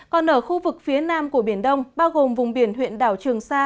còn ở khu vực phía nam của biển đông bao gồm vùng biển huyện đảo trường sa